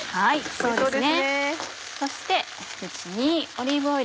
そうですね